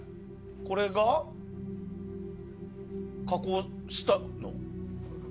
これが、加工したの？